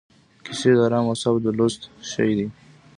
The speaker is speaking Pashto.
کیسې د ارامو اعصابو د لوست شی دی.